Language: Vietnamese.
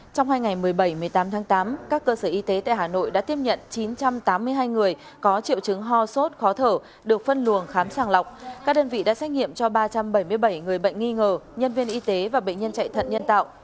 trong hai ngày một mươi bảy một mươi tám tháng tám các cơ sở y tế tại hà nội đã tiếp nhận chín trăm tám mươi hai người có triệu chứng ho sốt khó thở được phân luồng khám sàng lọc các đơn vị đã xét nghiệm cho ba trăm bảy mươi bảy người bệnh nghi ngờ nhân viên y tế và bệnh nhân chạy thận nhân tạo